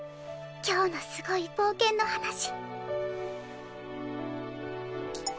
今日のすごい冒険の話